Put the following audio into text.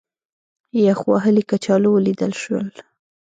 یخ وهلي کچالو ولیدل شول.